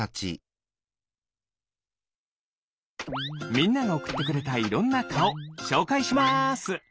みんながおくってくれたいろんなかおしょうかいします。